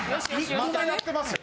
またやってますよ。